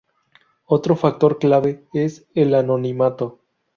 Otro factor clave es el anonimato.